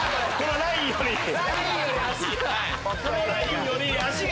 ラインより足が。